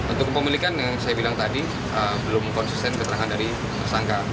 untuk kepemilikan yang saya bilang tadi belum konsisten keterangan dari tersangka